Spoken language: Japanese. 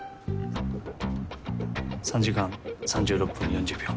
３時間３６分４０秒。